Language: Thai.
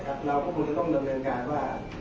เราก็คงจะต้องดำเนินการว่า